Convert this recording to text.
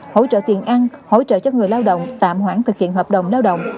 hỗ trợ tiền ăn hỗ trợ cho người lao động tạm hoãn thực hiện hợp đồng lao động